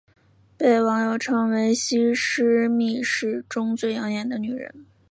被网友称为西施秘史中最养眼的女人。